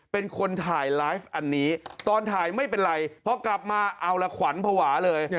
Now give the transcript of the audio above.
เป็นคนถ่ายไลฟ์อันนี้ตอนถ่ายไม่เป็นไรพอกลับมาเอาละขวัญภาวะเลย